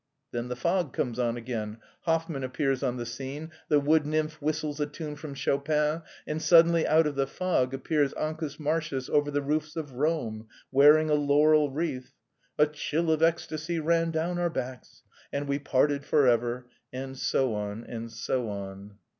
'" Then the fog comes on again, Hoffman appears on the scene, the wood nymph whistles a tune from Chopin, and suddenly out of the fog appears Ancus Marcius over the roofs of Rome, wearing a laurel wreath. "A chill of ecstasy ran down our backs and we parted forever" and so on and so on.